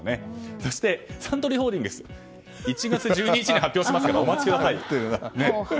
そしてサントリーホールディングスは１月１２日に発表しますからお待ちください。